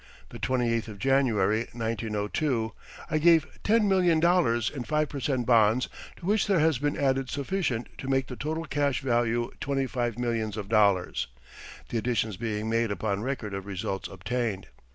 The 28th of January, 1902, I gave ten million dollars in five per cent bonds, to which there has been added sufficient to make the total cash value twenty five millions of dollars, the additions being made upon record of results obtained.